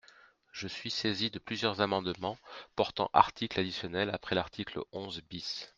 Je suis saisi de plusieurs amendements portant article additionnel après l’article onze bis.